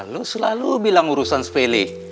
lo selalu bilang urusan sepele